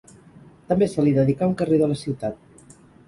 També se li dedicà un carrer de la ciutat.